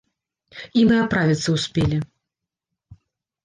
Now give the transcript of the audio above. І мы аправіцца ўспелі.